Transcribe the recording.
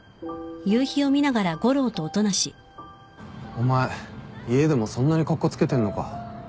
お前家でもそんなにカッコつけてんのか？